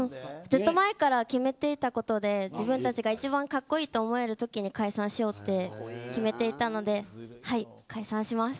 ずっと前から決めていたことで自分たちが一番格好いいときに解散しようと決めていたので解散します。